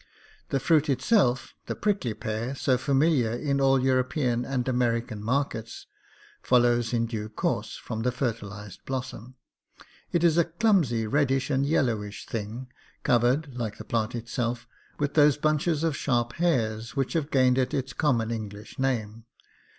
The fruit itself — the prickly pear so familiar in all European and American markets — follows in due course from the fertilized blossom. It is a clumsy reddish and yellowish thing, covered, like the plant itself, with those bunches of sharp hairs which have gained it its common English name.